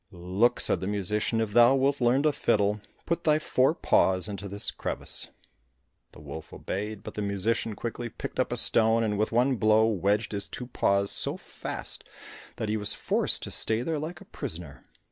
"Look," said the musician, "if thou wilt learn to fiddle, put thy fore paws into this crevice." The wolf obeyed, but the musician quickly picked up a stone and with one blow wedged his two paws so fast that he was forced to stay there like a prisoner.